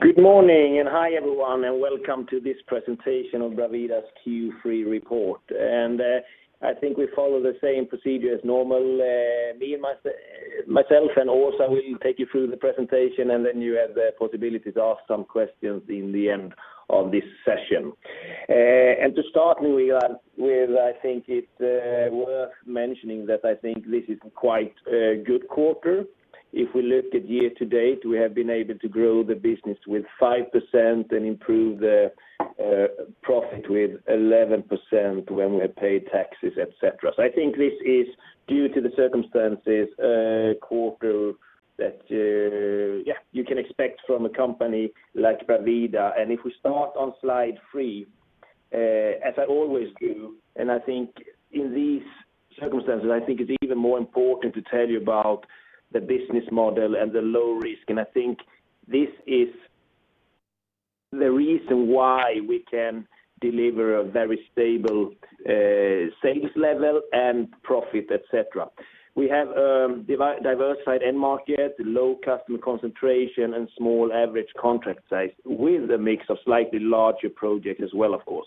Good morning, and hi everyone, and welcome to this presentation of Bravida's Q3 Report. I think we follow the same procedure as normal. Myself and Åsa will take you through the presentation, and then you have the possibility to ask some questions in the end of this session. To start with, I think it's worth mentioning that I think this is quite a good quarter. If we looked at year-to-date, we have been able to grow the business with 5% and improve the profit with 11% when we pay taxes, et cetera. I think this is, due to the circumstances, a quarter that you can expect from a company like Bravida. If we start on slide 3, as I always do, and I think in these circumstances, I think it's even more important to tell you about the business model and the low risk. I think this is the reason why we can deliver a very stable sales level and profit, et cetera. We have a diversified end market, low customer concentration, and small average contract size with a mix of slightly larger projects as well, of course.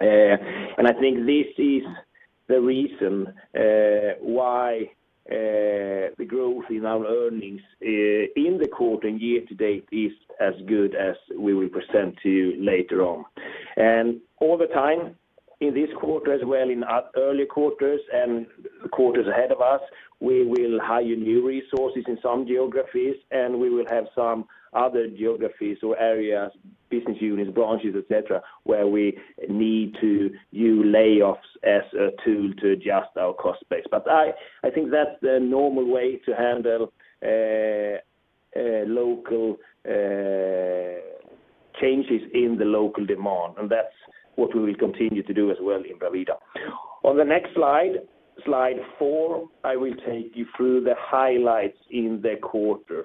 I think this is the reason why the growth in our earnings in the quarter and year to date is as good as we will present to you later on. All the time in this quarter as well in early quarters and quarters ahead of us, we will hire new resources in some geographies, and we will have some other geographies or areas, business units, branches, et cetera, where we need to do layoffs as a tool to adjust our cost base. I think that's the normal way to handle changes in the local demand, and that's what we will continue to do as well in Bravida. On the next slide 4, I will take you through the highlights in the quarter.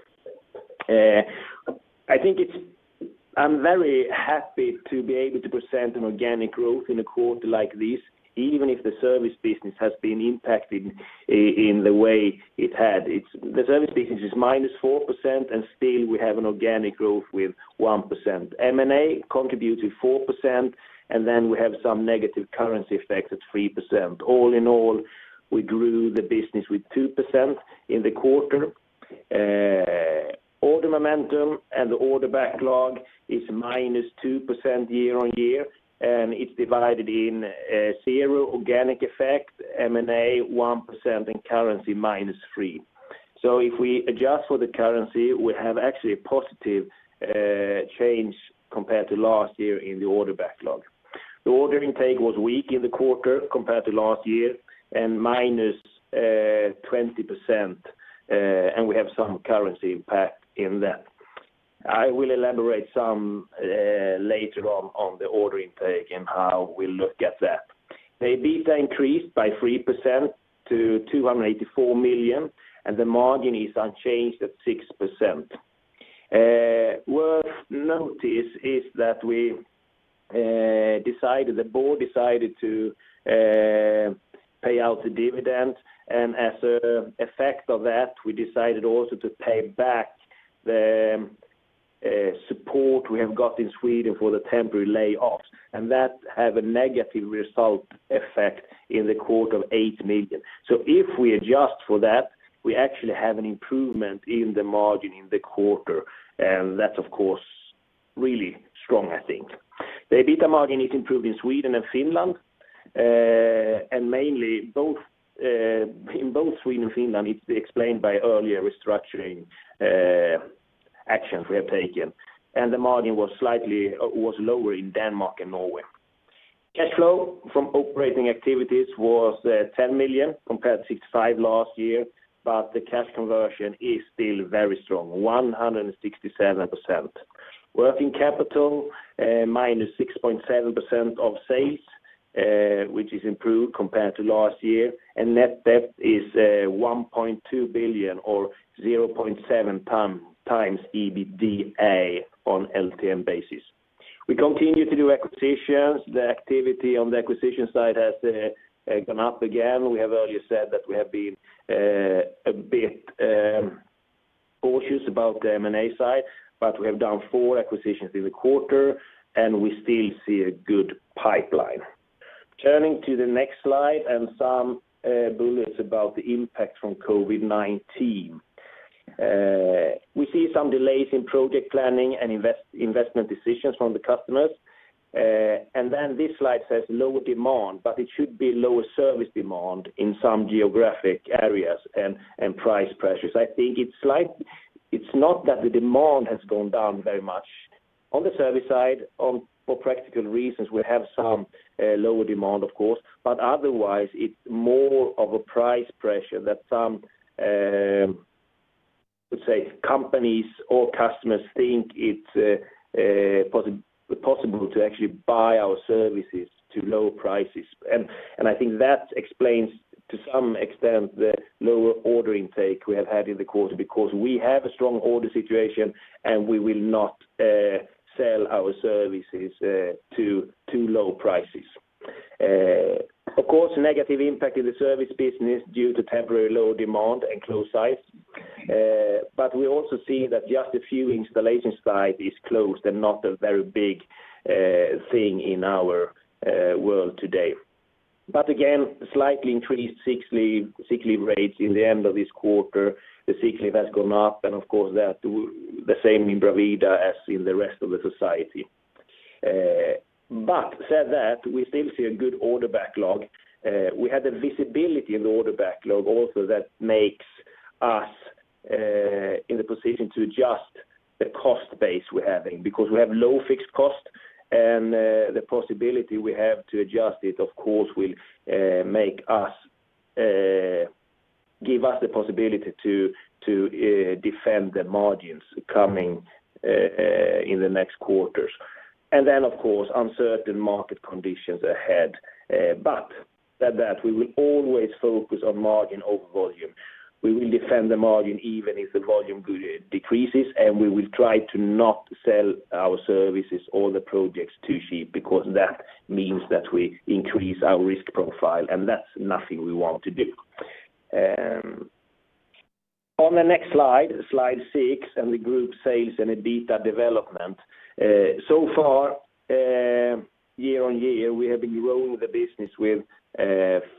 I'm very happy to be able to present an organic growth in a quarter like this, even if the service business has been impacted in the way it had. The service business is minus 4%, and still we have an organic growth with 1%. M&A contributed 4%, and then we have some negative currency effects at 3%. All in all, we grew the business with 2% in the quarter. Order momentum and the order backlog is minus 2% year-on-year, and it's divided in zero organic effect, M&A 1%, and currency -3%. If we adjust for the currency, we have actually a positive change compared to last year in the order backlog. The order intake was weak in the quarter compared to last year and -20%. We have some currency impact in that. I will elaborate some later on the order intake and how we look at that. The EBITDA increased by 3% to 284 million. The margin is unchanged at 6%. Worth notice is that the board decided to pay out the dividend. As an effect of that, we decided also to pay back the support we have got in Sweden for the temporary layoffs. That have a negative result effect in the quarter of 8 million. If we adjust for that, we actually have an improvement in the margin in the quarter. That's of course really strong, I think. The EBITDA margin is improved in Sweden and Finland. Mainly in both Sweden and Finland, it's explained by earlier restructuring actions we have taken, and the margin was lower in Denmark and Norway. Cash flow from operating activities was 10 million compared to 65 last year, but the cash conversion is still very strong, 167%. Working capital, -6.7% of sales, which is improved compared to last year, and net debt is 1.2 billion or 0.7x EBITDA on LTM basis. We continue to do acquisitions. The activity on the acquisition side has gone up again. We have earlier said that we have been a bit cautious about the M&A side, but we have done four acquisitions in the quarter, and we still see a good pipeline. Turning to the next slide and some bullets about the impact from COVID-19. We see some delays in project planning and investment decisions from the customers. This slide says lower demand, but it should be lower service demand in some geographic areas and price pressures. I think it's not that the demand has gone down very much. On the service side, for practical reasons, we have some lower demand, of course, but otherwise, it's more of a price pressure that some, let's say, companies or customers think it's possible to actually buy our services to lower prices. I think that explains, to some extent, the lower order intake we have had in the quarter because we have a strong order situation, and we will not sell our services to too low prices. Of course, negative impact in the service business due to temporary low demand and closed sites. We also see that just a few installation sites is closed and not a very big thing in our world today. Again, slightly increased sick leave rates in the end of this quarter. The sick leave has gone up and of course that the same in Bravida as in the rest of the society. Said that, we still see a good order backlog. We had the visibility in the order backlog also that makes us in the position to adjust the cost base we're having, because we have low fixed cost and the possibility we have to adjust it, of course, will give us the possibility to defend the margins coming in the next quarters. Then, of course, uncertain market conditions ahead. Said that, we will always focus on margin over volume. We will defend the margin even if the volume decreases. We will try to not sell our services or the projects too cheap, because that means that we increase our risk profile. That's nothing we want to do. On the next slide six, the group sales and EBITDA development. So far, year-over-year, we have been growing the business with 5%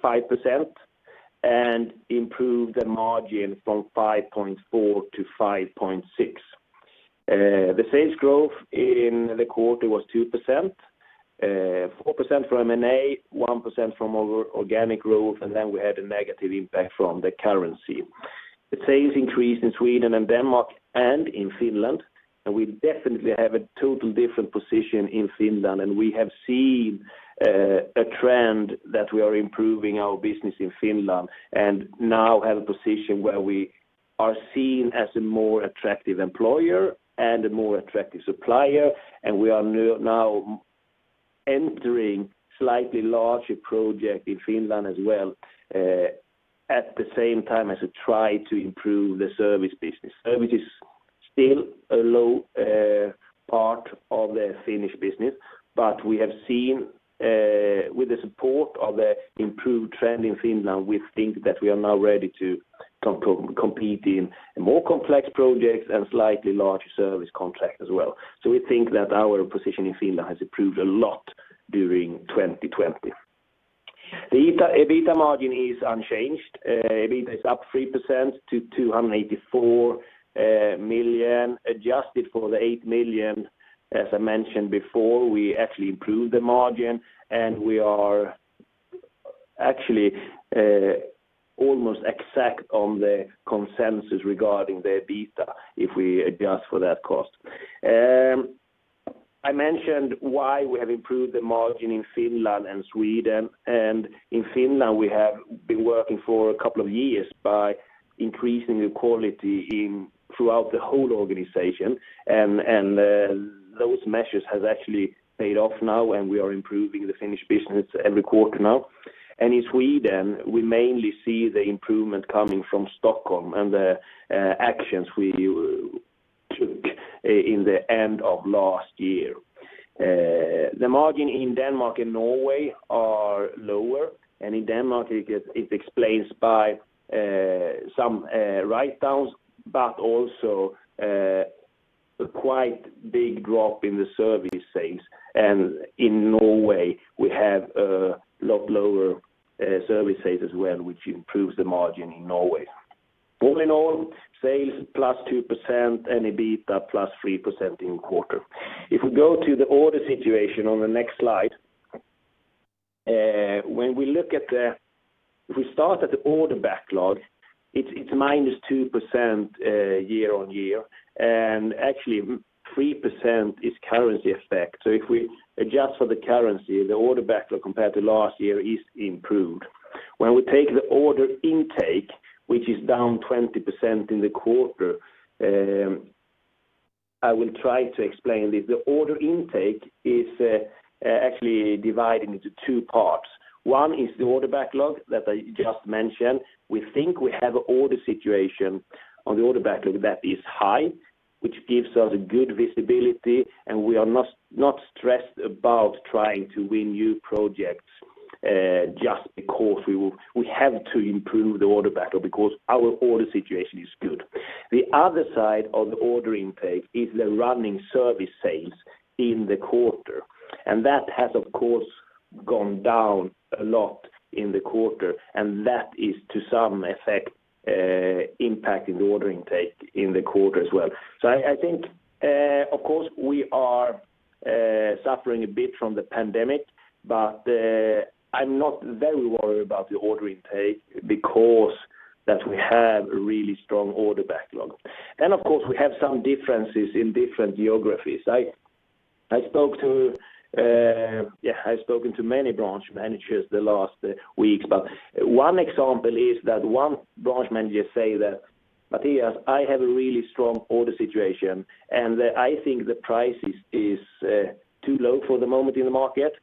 and improved the margin from 5.4%-5.6%. The sales growth in the quarter was 2%, 4% from M&A, 1% from organic growth. Then we had a negative impact from the currency. The sales increased in Sweden and Denmark and in Finland. We definitely have a total different position in Finland. We have seen a trend that we are improving our business in Finland, and now have a position where we are seen as a more attractive employer and a more attractive supplier, and we are now entering slightly larger project in Finland as well, at the same time as we try to improve the service business. Service is still a low part of the Finnish business. We have seen, with the support of the improved trend in Finland, we think that we are now ready to compete in more complex projects and slightly larger service contracts as well. We think that our position in Finland has improved a lot during 2020. The EBITDA margin is unchanged. EBITDA is up 3% to 284 million, adjusted for the 8 million, as I mentioned before, we actually improved the margin, and we are actually almost exact on the consensus regarding the EBITDA if we adjust for that cost. I mentioned why we have improved the margin in Finland and Sweden. In Finland, we have been working for a couple of years by increasing the quality throughout the whole organization. Those measures has actually paid off now, and we are improving the Finnish business every quarter now. In Sweden, we mainly see the improvement coming from Stockholm and the actions we took in the end of last year. The margin in Denmark and Norway are lower, and in Denmark, it explains by some write-downs, but also a quite big drop in the service sales. In Norway, we have a lot lower service sales as well, which improves the margin in Norway. All in all, sales +2% and EBITDA +3% in quarter. If we go to the order situation on the next slide. If we start at the order backlog, it's -2% year-on-year, and actually, 3% is currency effect. If we adjust for the currency, the order backlog compared to last year is improved. When we take the order intake, which is down 20% in the quarter, I will try to explain this. The order intake is actually divided into two parts. One is the order backlog that I just mentioned. We think we have order situation on the order backlog that is high, which gives us a good visibility, and we are not stressed about trying to win new projects, just because we have to improve the order backlog because our order situation is good. The other side of the order intake is the running service sales in the quarter. That has, of course, gone down a lot in the quarter, and that is to some effect, impacting the order intake in the quarter as well. I think, of course, we are suffering a bit from the pandemic, but I'm not very worried about the order intake because that we have a really strong order backlog. Of course, we have some differences in different geographies. I've spoken to many branch managers the last weeks, but one example is that one branch manager say that, "Mattias, I have a really strong order situation, and I think the price is too low for the moment in the market.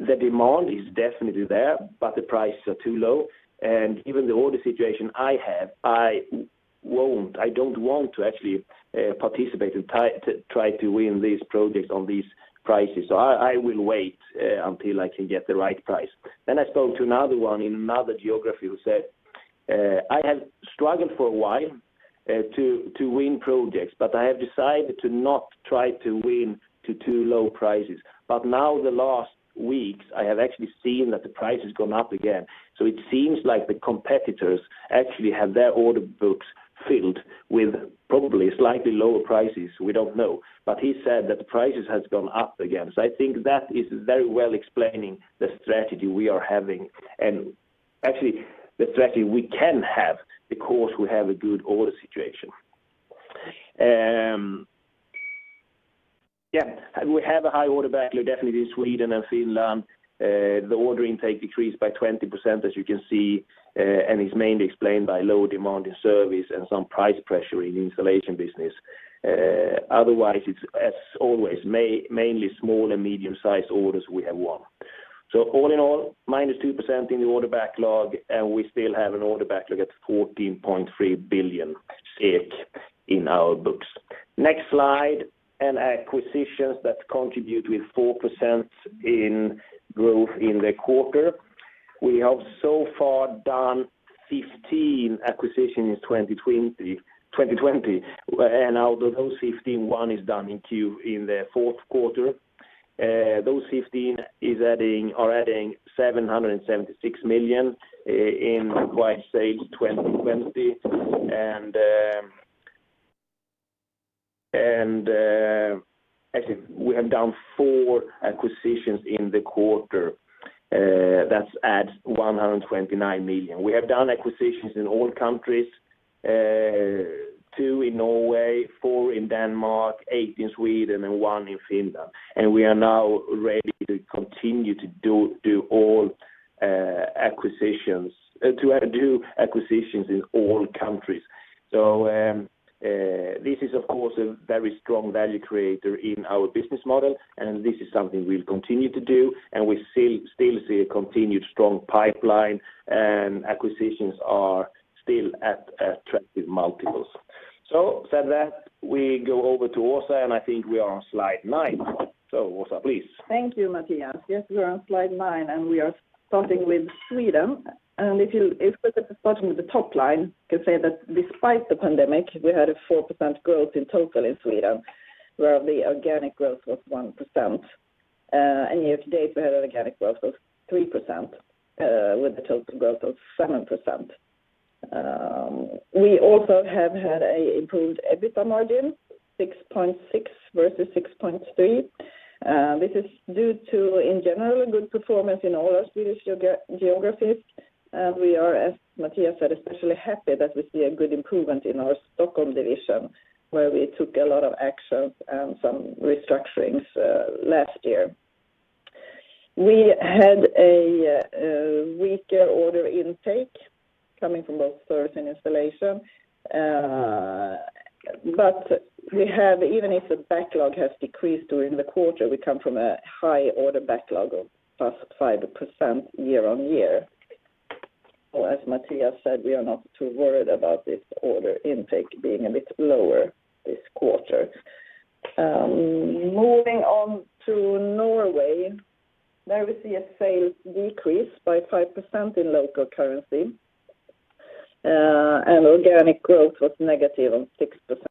The demand is definitely there, but the prices are too low. And given the order situation I have, I don't want to actually participate to try to win these projects on these prices. So I will wait until I can get the right price." I spoke to another one in another geography who said, "I have struggled for a while to win projects, but I have decided to not try to win to too low prices." Now, the last weeks, I have actually seen that the price has gone up again. It seems like the competitors actually have their order books filled with probably slightly lower prices. We don't know. He said that the prices has gone up again. I think that is very well explaining the strategy we are having, and actually the strategy we can have because we have a good order situation. Yes, we have a high order backlog definitely in Sweden and Finland. The order intake decreased by 20%, as you can see, and is mainly explained by low demand in service and some price pressure in installation business. Otherwise, it's as always, mainly small and medium-sized orders we have won. All in all, -2% in the order backlog, and we still have an order backlog at 14.3 billion SEK in our books. Next slide. Acquisitions that contribute with 4% in growth in the quarter. We have so far done 15 acquisitions in 2020. Out of those 15, one is done in Q in the fourth quarter. Those 15 are adding 776 million in, I'd like to say, 2020. Actually, we have done four acquisitions in the quarter. That adds 129 million. We have done acquisitions in all countries, two in Norway, four in Denmark, eight in Sweden, and one in Finland. We are now ready to continue to do acquisitions in all countries. This is of course a very strong value creator in our business model, and this is something we'll continue to do, and we still see a continued strong pipeline, and acquisitions are still at attractive multiples. Said that, we go over to Åsa, and I think we are on slide nine. Åsa, please. Thank you, Mattias. Yes, we are on slide nine, we are starting with Sweden. If you look at the bottom of the top line, you can say that despite the pandemic, we had a 4% growth in total in Sweden, where the organic growth was 1%. Year to date, we had an organic growth of 3% with a total growth of 7%. We also have had an improved EBITDA margin, 6.6% versus 6.3%. This is due to, in general, good performance in all our Swedish geographies. We are, as Mattias said, especially happy that we see a good improvement in our Stockholm division, where we took a lot of actions and some restructurings last year. We had a weaker order intake coming from both service and installation. Even if the backlog has decreased during the quarter, we come from a high order backlog of plus 5% year-on-year. As Mattias said, we are not too worried about this order intake being a bit lower this quarter. Moving on to Norway. There we see a sales decrease by 5% in local currency, and organic growth was negative on 6%.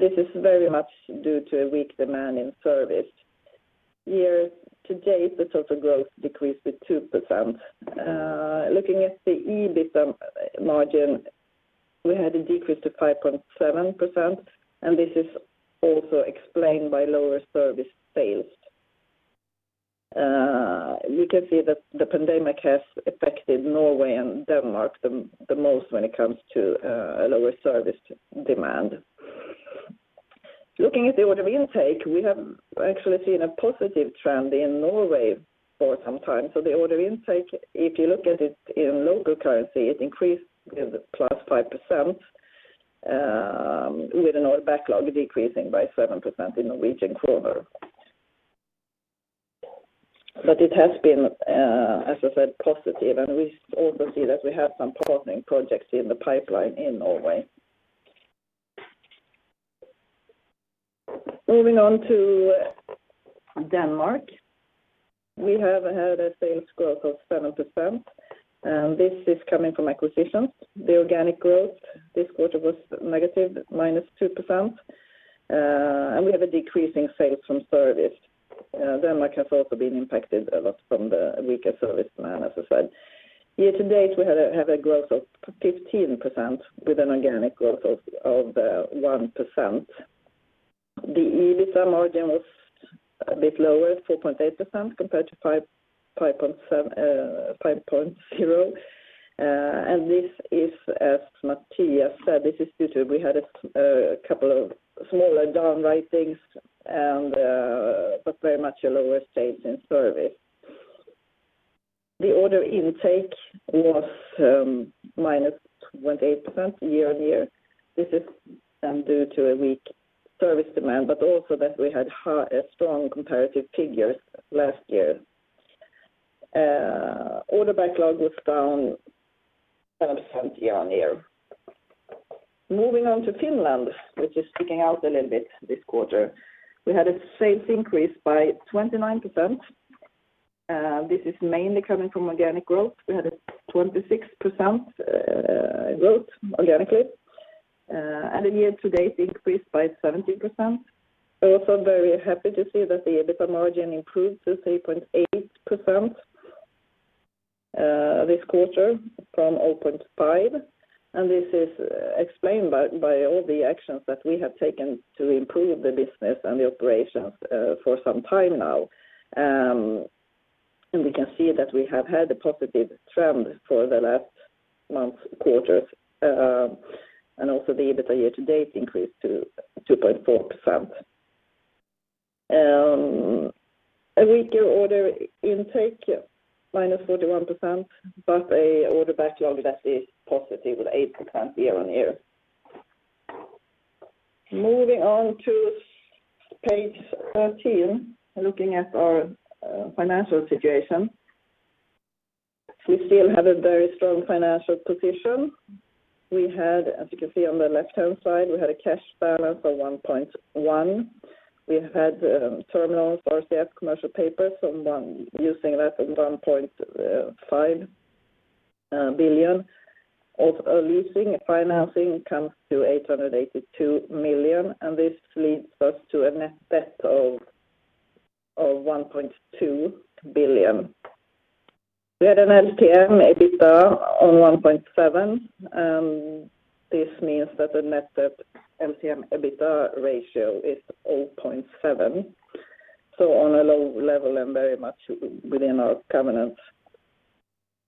This is very much due to a weak demand in service. Year to date, the total growth decreased to 2%. Looking at the EBITDA margin, we had a decrease to 5.7%, and this is also explained by lower service sales. You can see that the pandemic has affected Norway and Denmark the most when it comes to a lower service demand. Looking at the order intake, we have actually seen a positive trend in Norway for some time. The order intake, if you look at it in local currency, it increased +5%, with an order backlog decreasing by 7% in Norwegian kroner. It has been, as I said, positive, and we also see that we have some partnering projects in the pipeline in Norway. Moving on to Denmark. We have had a sales growth of 7%, and this is coming from acquisitions. The organic growth this quarter was negative, -2%, and we have a decrease in sales from service. Denmark has also been impacted a lot from the weaker service demand, as I said. Year to date, we have a growth of 15% with an organic growth of 1%. The EBITDA margin was a bit lower at 4.8% compared to 5.0%. This is, as Mattias said, this is due to we had a couple of smaller write-downs, but very much a lower stage in service. The order intake was -28% year-on-year. This is due to a weak service demand, but also that we had strong comparative figures last year. Order backlog was down 7% year-on-year. Moving on to Finland, which is sticking out a little bit this quarter. We had a sales increase by 29%. This is mainly coming from organic growth. We had a 26% growth organically, and the year-to-date increased by 17%. Also very happy to see that the EBITDA margin improved to 3.8% this quarter from 0.5%. This is explained by all the actions that we have taken to improve the business and the operations for some time now. We can see that we have had a positive trend for the last month quarters, and also the EBITDA year to date increased to 2.4%. A weaker order intake, -41%, a order backlog that is +8% year-on-year. Moving on to page 13, looking at our financial situation. We still have a very strong financial position. As you can see on the left-hand side, we had a cash balance of 1.1 billion. We had term loans or RCF commercial papers from using that of 1.5 billion of leasing. Financing comes to 882 million, this leads us to a net debt of 1.2 billion. We had an LTM EBITDA on 1.7 billion. This means that the net debt LTM EBITDA ratio is 0.7, so on a low level and very much within our covenants.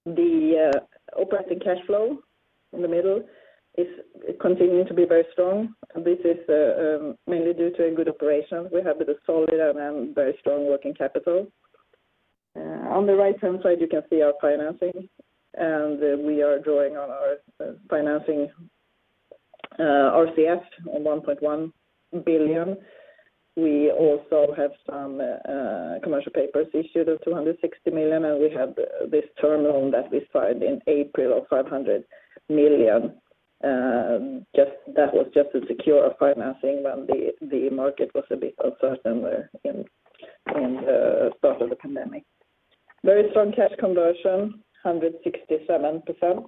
The operating cash flow, in the middle, is continuing to be very strong. This is mainly due to good operations. We have a solid and very strong working capital. On the right-hand side, you can see our financing. We are drawing on our financing RCF on 1.1 billion. We also have some commercial papers issued of 260 million. We have this term loan that we signed in April of 500 million. That was just to secure our financing when the market was a bit uncertain there in the start of the pandemic. Very strong cash conversion, 167%.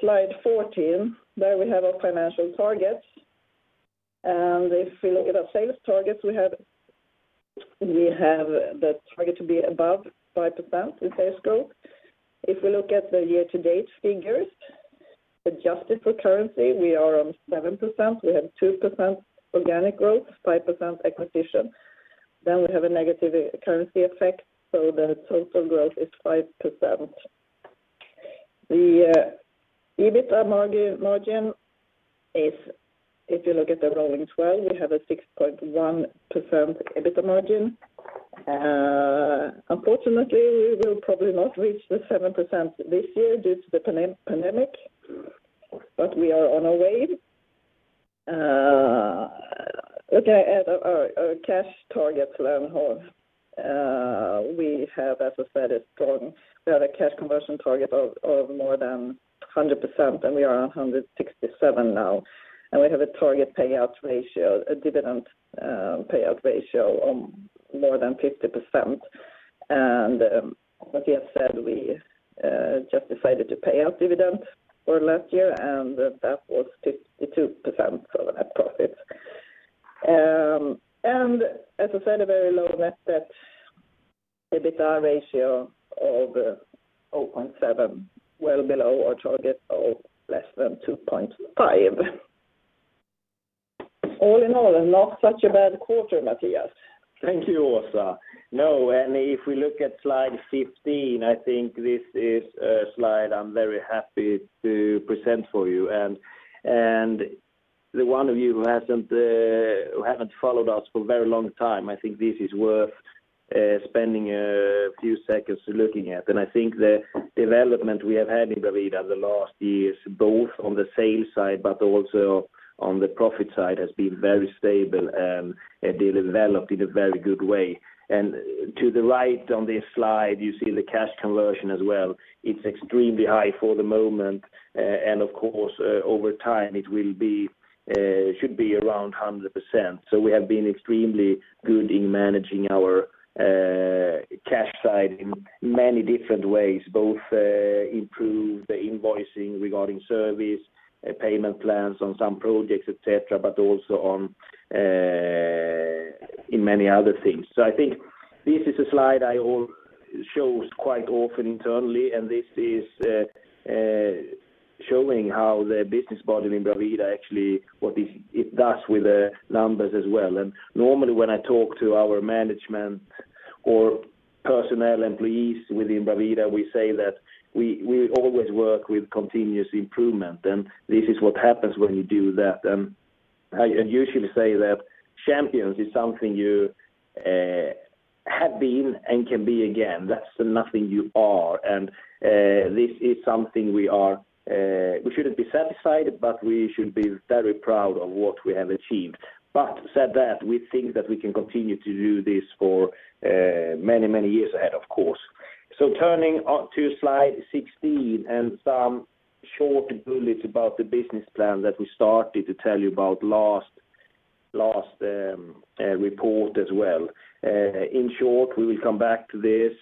Slide 14, there we have our financial targets. If we look at our sales targets, we have the target to be above 5% in sales growth. If we look at the year-to-date figures, adjusted for currency, we are on 7%. We have 2% organic growth, 5% acquisition. We have a negative currency effect, so the total growth is 5%. The EBITDA margin is, if you look at the rolling 12, we have a 6.1% EBITDA margin. Unfortunately, we will probably not reach the 7% this year due to the pandemic, but we are on our way. Our cash targets. We have, as I said, a strong cash conversion target of more than 100%, and we are on 167% now, and we have a target payout ratio, a dividend payout ratio on more than 50%. As we have said, we just decided to pay out dividends for last year, and that was 52% of the net profit. As I said, a very low net debt EBITDA ratio of 0.7, well below our target of less than 2.5. All in all, not such a bad quarter, Mattias. Thank you, Åsa. If we look at slide 15, I think this is a slide I'm very happy to present for you. The one of you who haven't followed us for a very long time, I think this is worth spending a few seconds looking at. I think the development we have had in Bravida the last years, both on the sales side, but also on the profit side, has been very stable and developed in a very good way. To the right on this slide, you see the cash conversion as well. It's extremely high for the moment, and of course, over time it should be around 100%. We have been extremely good in managing our cash side in many different ways, both improve the invoicing regarding service, payment plans on some projects, et cetera, but also in many other things. I think this is a slide I show quite often internally, and this is showing how the business model in Bravida actually, what it does with the numbers as well. Normally when I talk to our management or personnel, employees within Bravida, we say that we always work with continuous improvement, and this is what happens when you do that. I usually say that champions is something you have been and can be again. That's nothing you are. This is something we shouldn't be satisfied, but we should be very proud of what we have achieved. Said that, we think that we can continue to do this for many, many years ahead, of course. Turning to slide 16 and some short bullets about the business plan that we started to tell you about last report as well. In short, we will come back to this.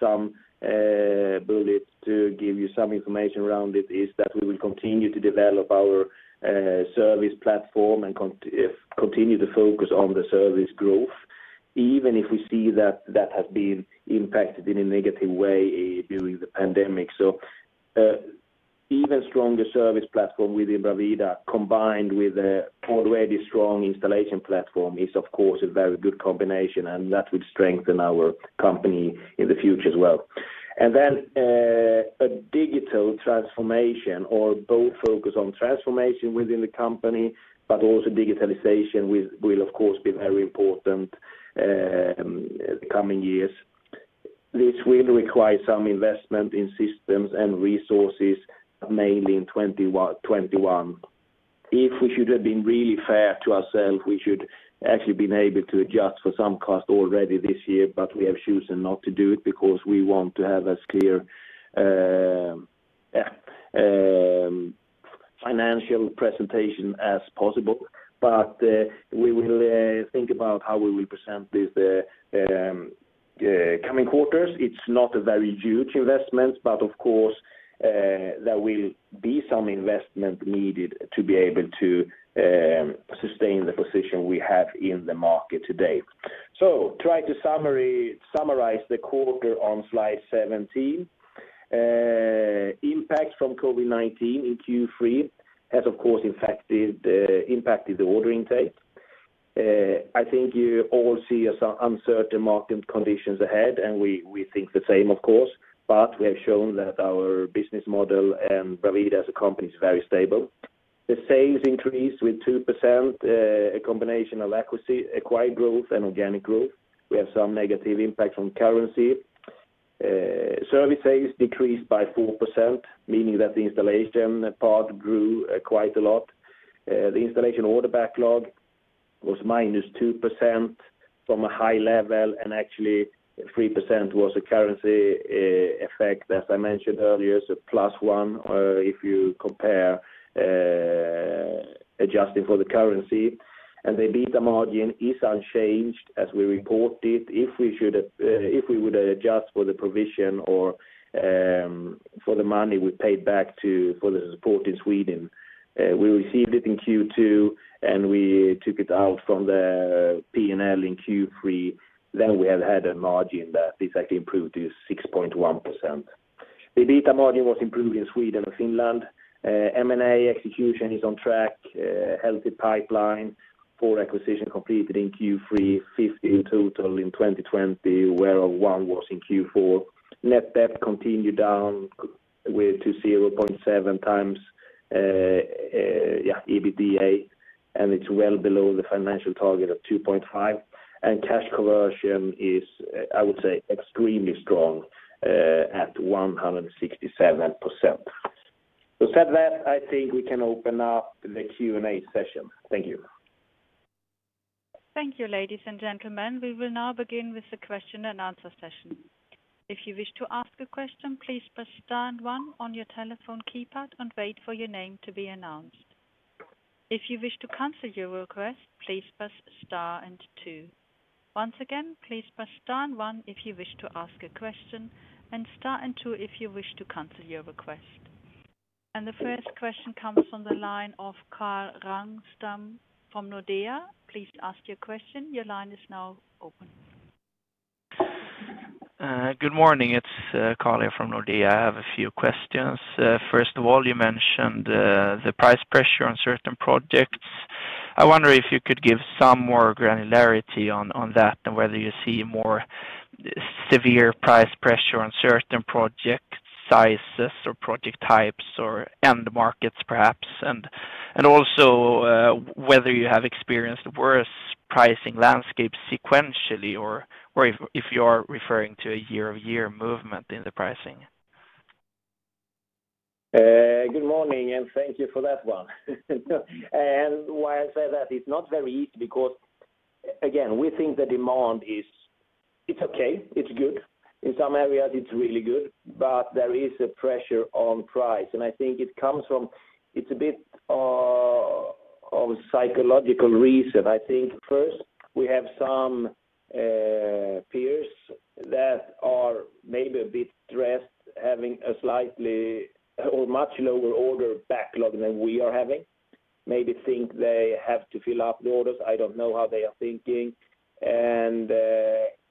Some bullets to give you some information around it is that we will continue to develop our service platform and continue to focus on the service growth, even if we see that has been impacted in a negative way during the pandemic. Even stronger service platform within Bravida, combined with a already strong installation platform is of course a very good combination. That would strengthen our company in the future as well. A digital transformation or both focus on transformation within the company, also digitalization will of course be very important the coming years. This will require some investment in systems and resources, mainly in 2021. If we should have been really fair to ourselves, we should actually been able to adjust for some cost already this year, but we have chosen not to do it because we want to have as clear financial presentation as possible. We will think about how we will present this the coming quarters. It's not a very huge investment, but of course, there will be some investment needed to be able to sustain the position we have in the market today. Try to summarize the quarter on slide 17. Impact from COVID-19 in Q3 has of course impacted the order intake. I think you all see some uncertain market conditions ahead, and we think the same of course, but we have shown that our business model and Bravida as a company is very stable. The sales increased with 2%, a combination of acquired growth and organic growth. We have some negative impact from currency. Service sales decreased by 4%, meaning that the installation part grew quite a lot. The installation order backlog was -2% from a high level, and actually 3% was a currency effect, as I mentioned earlier. +1, if you compare adjusting for the currency. The EBITDA margin is unchanged as we reported. If we would adjust for the provision or for the money we paid back for the support in Sweden, we received it in Q2, and we took it out from the P&L in Q3, then we had a margin that exactly improved to 6.1%. The EBITDA margin was improved in Sweden and Finland. M&A execution is on track. Healthy pipeline. Four acquisition completed in Q3, 15 total in 2020, where one was in Q4. Net debt continued down to 0.7x EBITDA. It's well below the financial target of 2.5. Cash conversion is, I would say extremely strong at 167%. With that, I think we can open up the Q&A session. Thank you. Thank you, ladies and gentlemen. We will now begin with the question and answer session. If you wish to ask a question, please press star and one on your telephone keypad and wait for your name to be announced. If you wish to cancel your request, please press star and two. Once again, please press star and one if you wish to ask a question, and star and two if you wish to cancel your request. The first question comes from the line of Carl Ragnerstam from Nordea. Please ask your question. Your line is now open. Good morning. It's Carl from Nordea. I have a few questions. First of all, you mentioned the price pressure on certain projects. I wonder if you could give some more granularity on that and whether you see more severe price pressure on certain project sizes or project types or end markets perhaps, and also whether you have experienced worse pricing landscape sequentially, or if you are referring to a year-over-year movement in the pricing. Good morning. Thank you for that one. Why I say that, it's not very easy because, again, we think the demand is okay, it's good. In some areas it's really good. There is a pressure on price. I think it's a bit of psychological reason. I think first we have some peers that are maybe a bit stressed, having a slightly or much lower order backlog than we are having. Maybe think they have to fill up the orders. I don't know how they are thinking.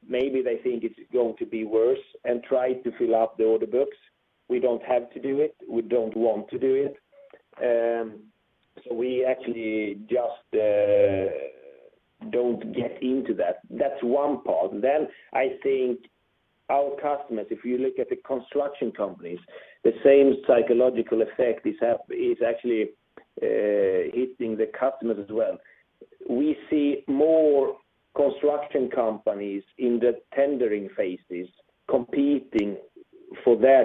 Maybe they think it's going to be worse and try to fill up the order books. We don't have to do it. We don't want to do it. We actually just don't get into that. That's one part. I think our customers, if you look at the construction companies, the same psychological effect is actually hitting the customers as well. We see more construction companies in the tendering phases competing for their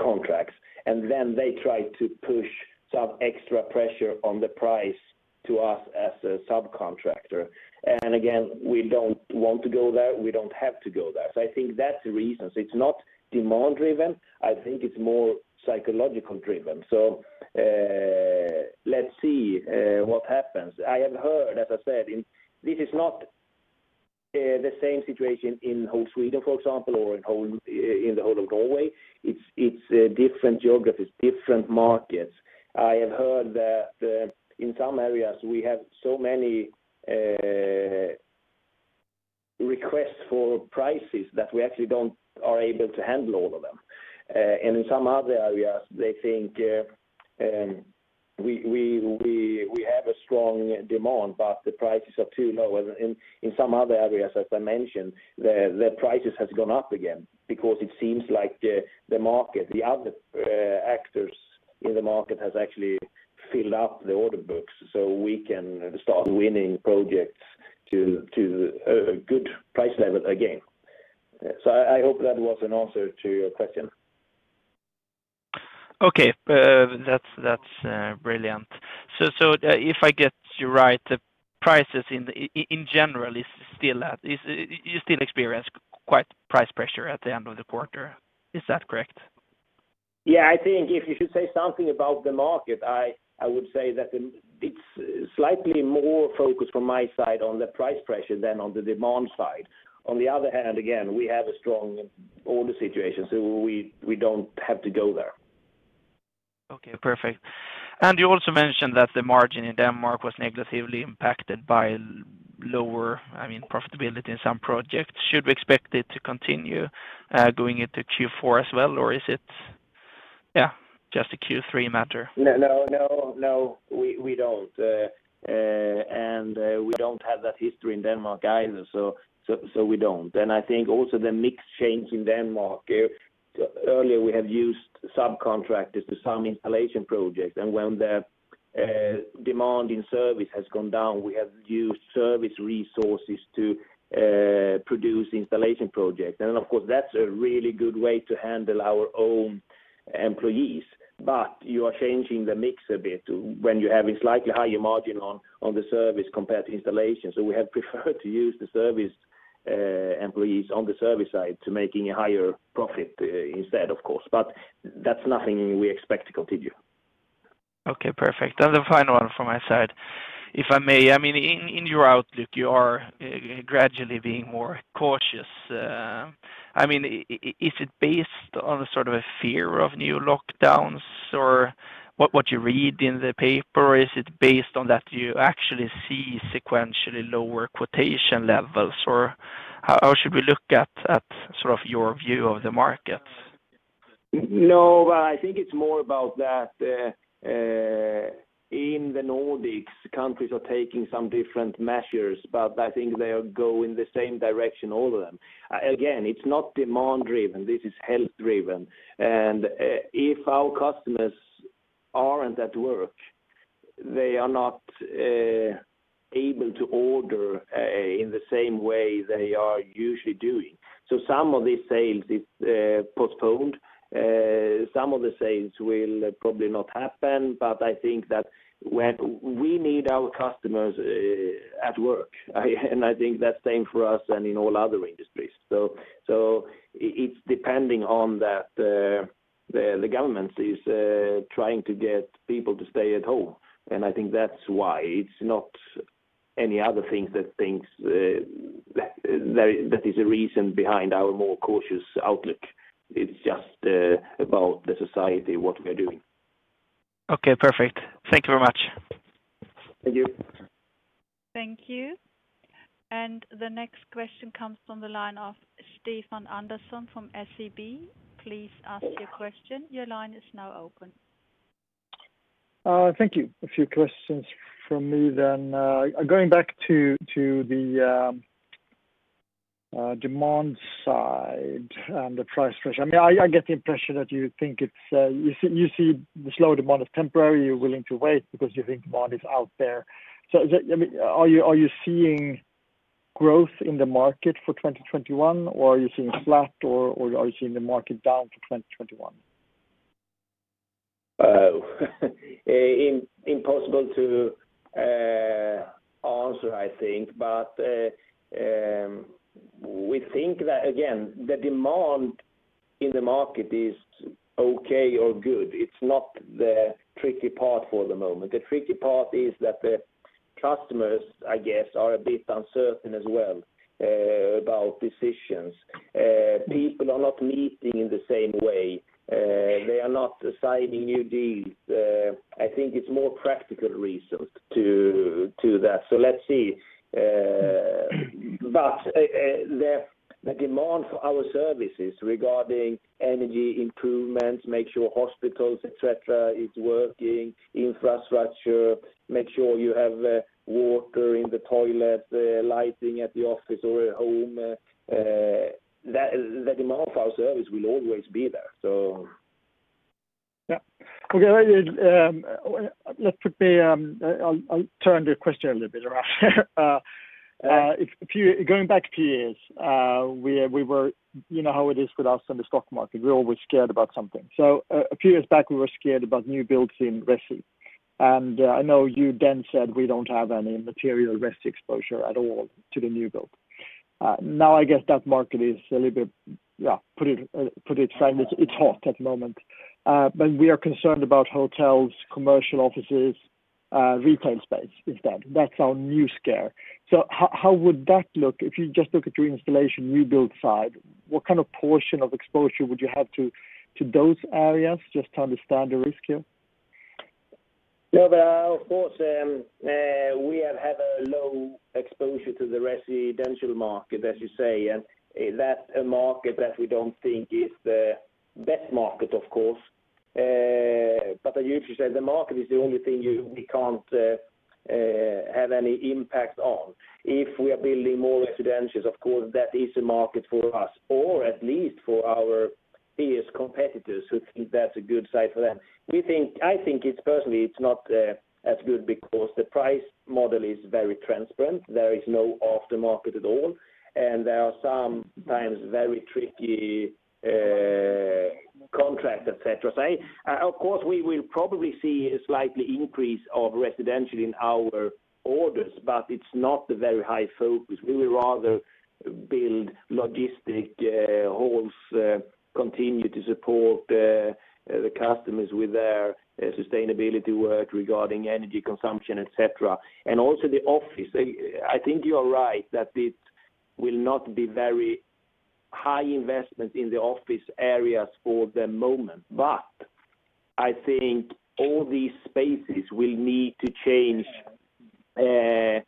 contracts, they try to push some extra pressure on the price to us as a subcontractor. Again, we don't want to go there. We don't have to go there. I think that's the reason. It's not demand-driven. I think it's more psychological driven. Let's see what happens. I have heard, as I said, this is not the same situation in whole Sweden, for example, or in the whole of Norway. It's different geographies, different markets. I have heard that in some areas we have so many requests for prices that we actually aren't able to handle all of them. In some other areas, they think we have a strong demand, but the prices are too low. In some other areas, as I mentioned, the prices have gone up again because it seems like the other actors in the market have actually filled up the order books so we can start winning projects to a good price level again. I hope that was an answer to your question. Okay. That's brilliant. If I get you right, the prices in general, you still experience quite price pressure at the end of the quarter. Is that correct? I think if you should say something about the market, I would say that it's slightly more focused from my side on the price pressure than on the demand side. On the other hand, again, we have a strong order situation, so we don't have to go there. Okay, perfect. You also mentioned that the margin in Denmark was negatively impacted by lower profitability in some projects. Should we expect it to continue going into Q4 as well? Is it just a Q3 matter? No, we don't. We don't have that history in Denmark either, so we don't. I think also the mix change in Denmark, earlier we have used subcontractors to some installation projects, and when the demand in service has gone down, we have used service resources to produce installation projects. Of course, that's a really good way to handle our own employees. You are changing the mix a bit to when you have a slightly higher margin on the service compared to installation. We have preferred to use the service employees on the service side to making a higher profit instead, of course. That's nothing we expect to continue. Okay, perfect. The final one from my side, if I may. In your outlook, you are gradually being more cautious. Is it based on a fear of new lockdowns or what you read in the paper? Is it based on that you actually see sequentially lower quotation levels? How should we look at your view of the market? I think it's more about that in the Nordics, countries are taking some different measures, but I think they go in the same direction, all of them. Again, it's not demand driven. This is health driven. If our customers aren't at work, they are not able to order in the same way they are usually doing. Some of these sales is postponed. Some of the sales will probably not happen, but I think that we need our customers at work. I think that's same for us and in all other industries. It's depending on that the government is trying to get people to stay at home, and I think that's why. It's not any other things that is the reason behind our more cautious outlook. It's just about the society, what we are doing. Okay, perfect. Thank you very much. Thank you. Thank you. The next question comes from the line of Stefan Andersson from SEB. Please ask your question. Your line is now open. Thank you. A few questions from me then. Going back to the demand side and the price pressure. I get the impression that you see the slow demand is temporary. You're willing to wait because you think demand is out there. Are you seeing growth in the market for 2021, or are you seeing flat, or are you seeing the market down for 2021? Impossible to answer, I think. We think that, again, the demand in the market is okay or good. It's not the tricky part for the moment. The tricky part is that the customers, I guess, are a bit uncertain as well about decisions. People are not meeting in the same way. They are not signing new deals. I think it's more practical reasons to that. Let's see. The demand for our services regarding energy improvements, make sure hospitals, et cetera, is working, infrastructure, make sure you have water in the toilet, lighting at the office or at home. The demand for our service will always be there. Yeah. Okay. I'll turn the question a little bit around. Going back a few years, you know how it is with us in the stock market, we're always scared about something. A few years back, we were scared about new builds in resi. I know you then said we don't have any material resi exposure at all to the new build. Now, I guess that market is a little bit, put it frankly, it's hot at the moment. We are concerned about hotels, commercial offices, retail space, instead. That's our new scare. How would that look? If you just look at your installation new build side, what kind of portion of exposure would you have to those areas, just to understand the risk here? No, of course, we have had a low exposure to the residential market, as you say, and that's a market that we don't think is the best market, of course. I usually say the market is the only thing we can't have any impact on. If we are building more residentials, of course, that is a market for us, or at least for our peers, competitors who think that's a good site for them. I think it's personally, it's not as good because the price model is very transparent. There is no aftermarket at all. There are sometimes very tricky contracts, et cetera. Of course, we will probably see a slight increase of residential in our orders. It's not a very high focus. We would rather build logistic halls, continue to support the customers with their sustainability work regarding energy consumption, et cetera. Also the office. I think you are right that it will not be very high investment in the office areas for the moment. I think all these spaces will need to change the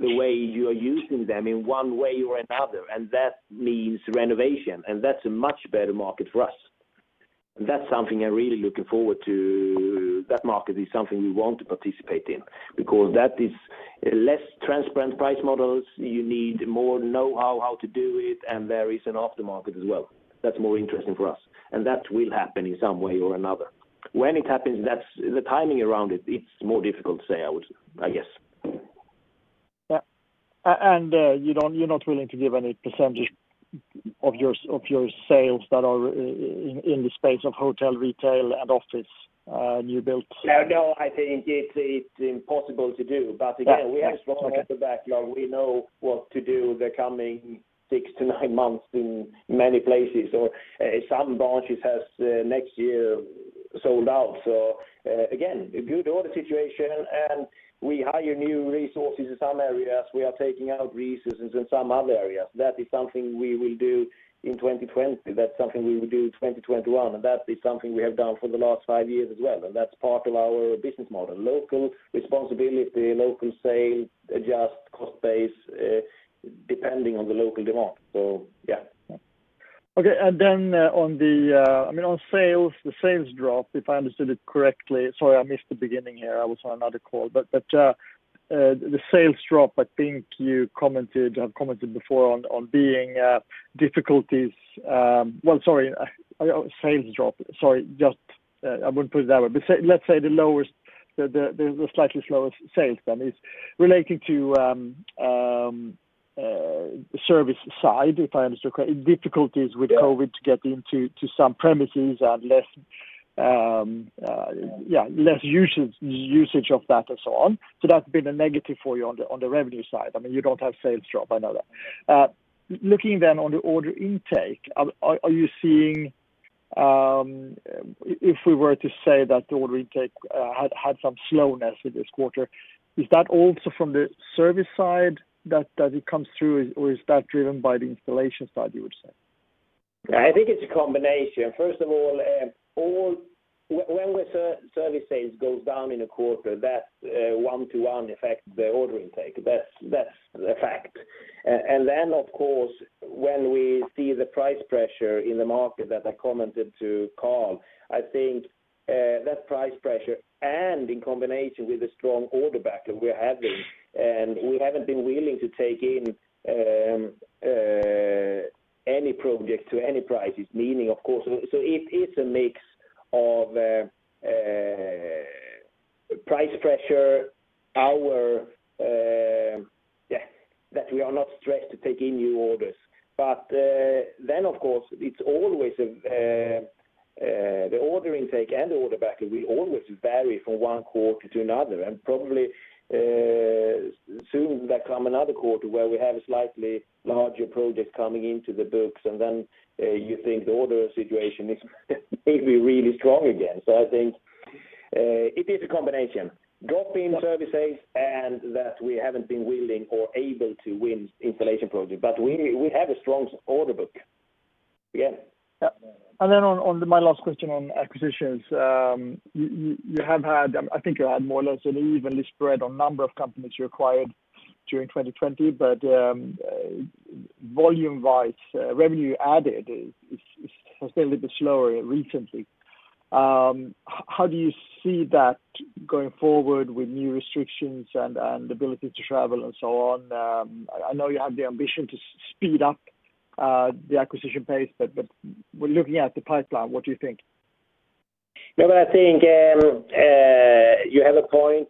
way you are using them in one way or another, and that means renovation, and that's a much better market for us. That's something I'm really looking forward to. That market is something we want to participate in because that is less transparent price models. You need more know-how how to do it, and there is an aftermarket as well. That's more interesting for us, and that will happen in some way or another. When it happens, the timing around it's more difficult to say, I guess. Yeah. You're not willing to give any percentage of your sales that are in the space of hotel, retail, and office new builds? No, I think it's impossible to do. Again, we have a strong order backlog. We know what to do the coming six to nine months in many places, or some branches has next year sold out. Again, a good order situation, and we hire new resources in some areas. We are taking out resources in some other areas. That is something we will do in 2020. That's something we will do 2021, and that is something we have done for the last five years as well, and that's part of our business model. Local responsibility, local sale, adjust cost base, depending on the local demand. Yeah. Okay. On the sales drop, if I understood it correctly. Sorry, I missed the beginning here. I was on another call. The sales drop, I think you have commented before on being difficulties. Well, sorry, sales drop. Sorry, I wouldn't put it that way, but let's say the slightly slower sales then is relating to the service side, if I understood correctly, difficulties with COVID to get into some premises and less usage of that and so on. That's been a negative for you on the revenue side. You don't have sales drop, I know that. Looking then on the order intake, if we were to say that the order intake had some slowness in this quarter, is that also from the service side that it comes through, or is that driven by the installation side, you would say? I think it's a combination. First of all, when our service sales go down in a quarter, that one-to-one affects the order intake. That's the fact. Of course, when we see the price pressure in the market that I commented to Carl, I think that price pressure in combination with the strong order backlog we're having, and we haven't been willing to take in any project to any prices. It is a mix of price pressure, that we are not stressed to take in new orders. Of course, the order intake and the order backlog will always vary from one quarter to another. Probably, soon there comes another quarter where we have a slightly larger project coming into the books, and then you think the order situation is maybe really strong again. I think it is a combination. Drop in services and that we haven't been willing or able to win installation projects. We have a strong order book. Yeah. Yeah. On my last question on acquisitions. I think you had more or less an evenly spread on number of companies you acquired during 2020, but volume-wise, revenue added has been a little bit slower recently. How do you see that going forward with new restrictions and the ability to travel and so on? I know you have the ambition to speed up the acquisition pace. Looking at the pipeline, what do you think? I think you have a point.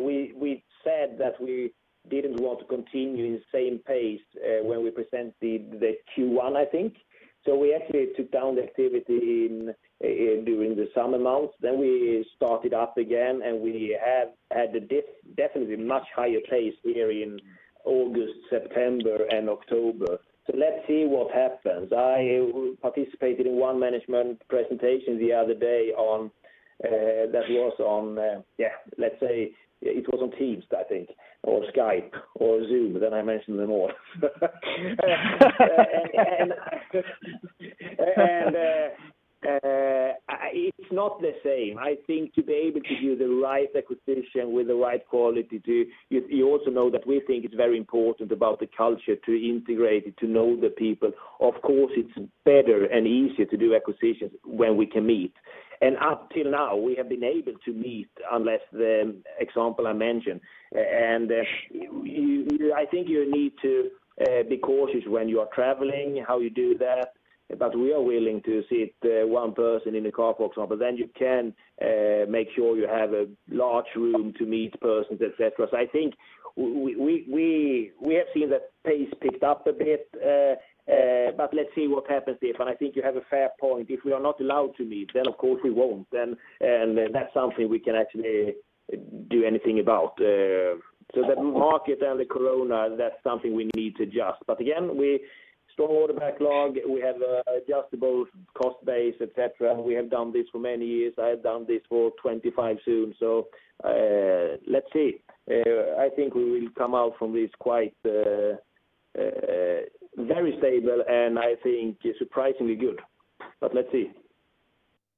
We said that we didn't want to continue the same pace when we presented the Q1, I think. We actually took down the activity during the summer months. We started up again, and we have had a definitely much higher pace here in August, September, and October. Let's see what happens. I participated in one management presentation the other day that was on, let's say it was on Teams, I think, or Skype or Zoom. I mentioned them all. It's not the same. I think to be able to do the right acquisition with the right quality too, you also know that we think it's very important about the culture to integrate it, to know the people. Of course, it's better and easier to do acquisitions when we can meet. Up till now, we have been able to meet unless the example I mentioned. I think you need to be cautious when you are traveling, how you do that. We are willing to sit one person in the car pool, for example. You can make sure you have a large room to meet persons, et cetera. I think we have seen that pace picked up a bit, but let's see what happens. I think you have a fair point. If we are not allowed to meet, then of course we won't. That's something we can actually do anything about. The market and the corona, that's something we need to adjust. Again, we store the backlog, we have adjustable cost base, et cetera. We have done this for many years. I have done this for 2025 soon. Let's see. I think we will come out from this very stable, and I think surprisingly good. Let's see.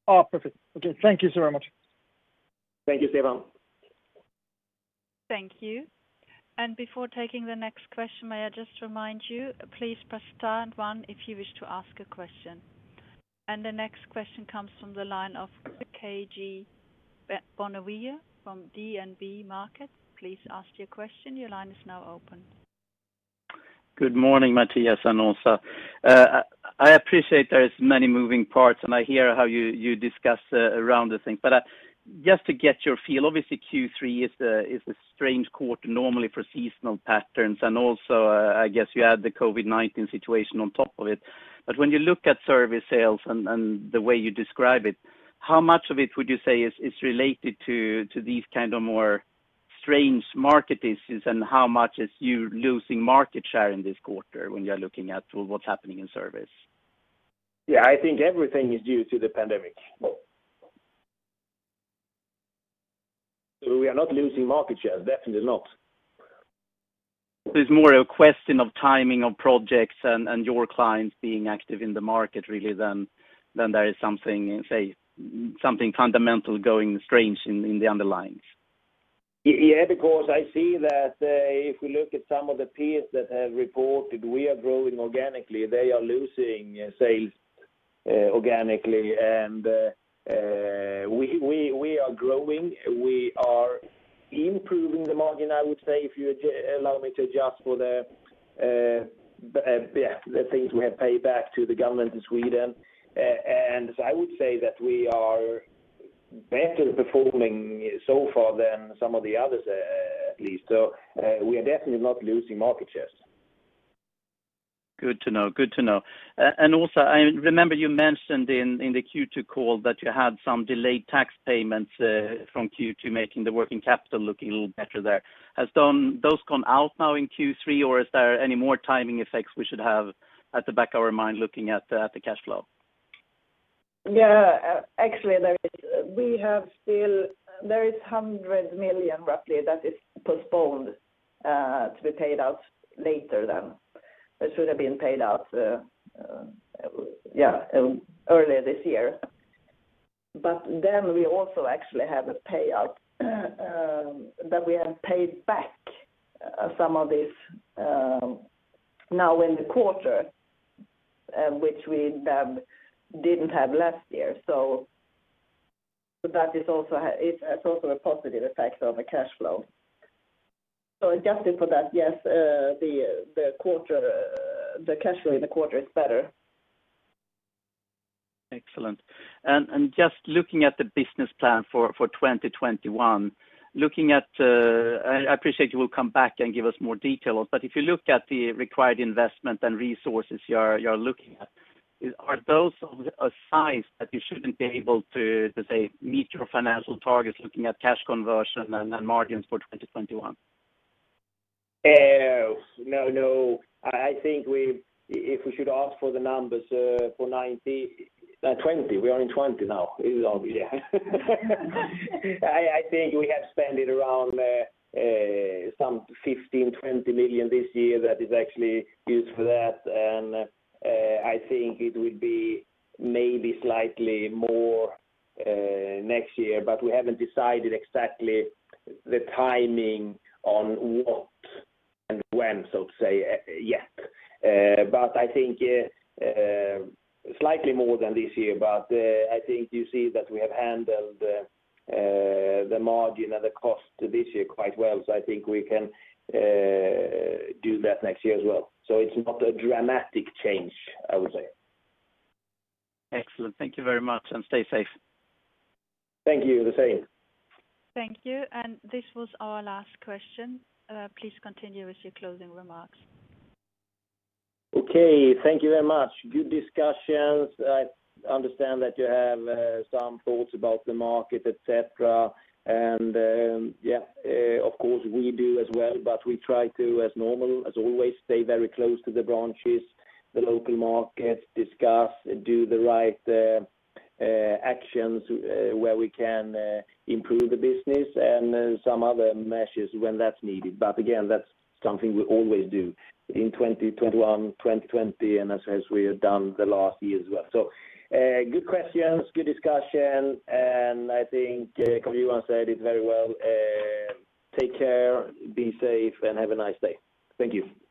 Oh, perfect. Okay. Thank you so much. Thank you, Stefan. Thank you. Before taking the next question, may I just remind you, please press star one if you wish to ask a question. The next question comes from the line of KJ Bonnevier from DNB Markets. Please ask your question. Your line is now open. Good morning, Mattias and Åsa. I appreciate there is many moving parts, and I hear how you discuss around the thing. Just to get your feel, obviously Q3 is a strange quarter normally for seasonal patterns. Also, I guess you add the COVID-19 situation on top of it. When you look at service sales and the way you describe it, how much of it would you say is related to these more strange market issues, and how much is you losing market share in this quarter when you're looking at what's happening in service? Yeah, I think everything is due to the pandemic. We are not losing market share, definitely not. It's more a question of timing of projects and your clients being active in the market really than there is something fundamental going strange in the underlyings? Because I see that if we look at some of the peers that have reported, we are growing organically. They are losing sales organically. We are growing. We are improving the margin, I would say, if you allow me to adjust for the things we have paid back to the government in Sweden. I would say that we are better performing so far than some of the others at least. We are definitely not losing market shares. Good to know. Also, I remember you mentioned in the Q2 call that you had some delayed tax payments from Q2, making the working capital look a little better there. Have those gone out now in Q3, or is there any more timing effects we should have at the back of our mind looking at the cash flow? Yeah. Actually, there is 100 million roughly that is postponed to be paid out later than it should have been paid out earlier this year. We also actually have a payout that we have paid back some of this now in the quarter, which we didn't have last year. That is also a positive effect on the cash flow. Adjusted for that, yes, the cash flow in the quarter is better. Excellent. Just looking at the business plan for 2021. I appreciate you will come back and give us more details, but if you look at the required investment and resources you're looking at, are those of a size that you shouldn't be able to, let's say, meet your financial targets looking at cash conversion and then margins for 2021? No. I think if we should ask for the numbers for 2020, we are in 2020 now, obviously. I think we have spent around some 15, 20 million this year that is actually used for that. I think it will be maybe slightly more next year, but we haven't decided exactly the timing on what and when, so to say, yet. I think slightly more than this year. I think you see that we have handled the margin and the cost this year quite well. I think we can do that next year as well. It's not a dramatic change, I would say. Excellent. Thank you very much, and stay safe. Thank you. The same. Thank you. This was our last question. Please continue with your closing remarks. Okay. Thank you very much. Good discussions. I understand that you have some thoughts about the market, et cetera. Of course, we do as well, but we try to, as normal, as always, stay very close to the branches, the local markets, discuss, do the right actions where we can improve the business, and then some other measures when that's needed. Again, that's something we always do in 2021, 2020, and as we have done the last year as well. Good questions, good discussion, and I think KJ said it very well. Take care, be safe, and have a nice day. Thank you.